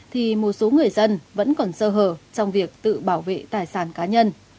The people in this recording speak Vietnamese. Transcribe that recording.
thì một số người dân vẫn còn sơ hở trong việc tự bảo vệ tài sản cá nhân